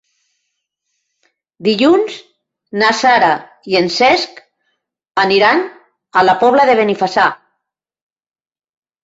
Dilluns na Sara i en Cesc aniran a la Pobla de Benifassà.